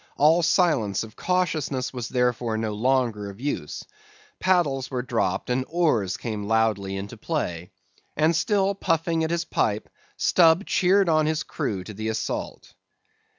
All silence of cautiousness was therefore no longer of use. Paddles were dropped, and oars came loudly into play. And still puffing at his pipe, Stubb cheered on his crew to the assault.